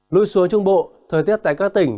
lui xuống trung bộ thời tiết tại các tỉnh